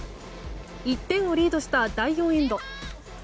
１点をリードした第４エンド。